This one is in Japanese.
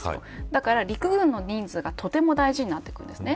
だから陸軍の人数がとても大事になってくるんですね。